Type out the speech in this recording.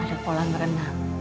ada pola berenang